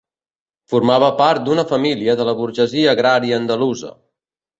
Formava part d'una família de la burgesia agrària andalusa.